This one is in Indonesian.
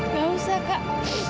gak usah kak